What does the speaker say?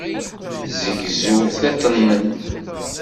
Tezzegzew tiṭ-nnem.